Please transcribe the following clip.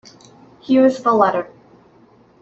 Here is the letter.